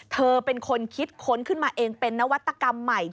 เธอเป็นคนคิดค้นขึ้นมาเองเป็นนวัตกรรมใหม่